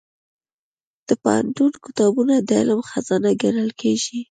د پوهنتون کتابتون د علم خزانه ګڼل کېږي.